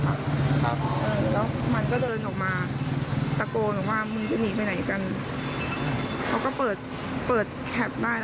หนูก็แอบอยู่ในบ้านแล้วก็มีพี่คนที่อยู่แถวนั้นเขาเดินมาช่วย